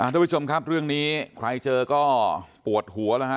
ทุกผู้ชมครับเรื่องนี้ใครเจอก็ปวดหัวแล้วฮะ